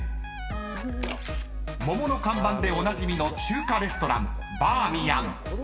［桃の看板でおなじみの中華レストラン］